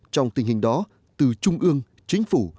trong tình hình đó từ trung ương chính phủ